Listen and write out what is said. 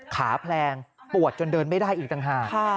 แผลงปวดจนเดินไม่ได้อีกต่างหาก